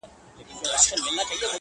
انساني وجدان پوښتنه راپورته کوي تل,